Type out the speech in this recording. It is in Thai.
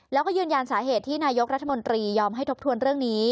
แล้วก็ยืนยันสาเหตุที่นายกรัฐมนตรียอมให้ทบทวนเรื่องนี้